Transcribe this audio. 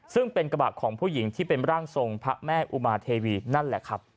ซึ่งเป็นกระบะของผู้หญิงที่เป็นร่างทรงพระแม่อุมาเทวีนั่นแหละครับ